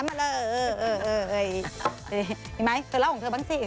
มีมีไหมส่วนเล่าของเธอบ้างสิ